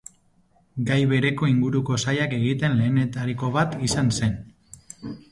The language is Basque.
Gai bereko inguruko sailak egiten lehenetariko bat izan zen.